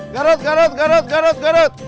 garut garut garut garut garut